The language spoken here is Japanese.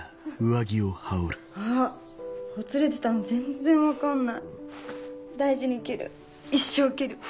あっほつれてたの全然分かんない大事に着る